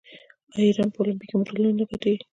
آیا ایران په المپیک کې مډالونه نه ګټي؟